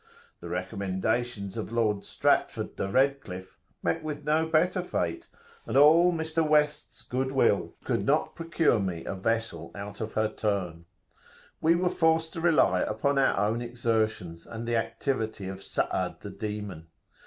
The recommendations of Lord Stratford de Redcliffe met with no better fate; and all Mr. West's good will could not procure [p.172]me a vessel out of her turn.[FN#13] We were forced to rely upon our own exertions, and the activity of Sa'ad the Demon.